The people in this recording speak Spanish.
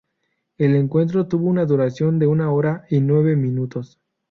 El encuentro tuvo una duración de una hora y nueve minutos.